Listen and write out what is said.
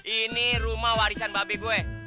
ini rumah warisan babe gue